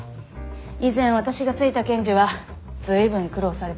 以前私がついた検事は随分苦労されてました。